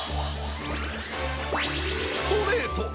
ストレート！